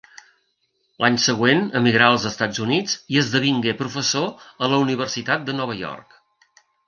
L'any següent emigrà als Estats Units i esdevingué professor a la Universitat de Nova York.